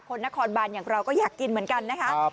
นครบานอย่างเราก็อยากกินเหมือนกันนะคะ